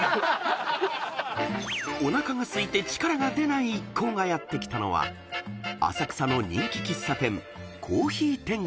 ［おなかがすいて力が出ない一行がやって来たのは浅草の人気喫茶店］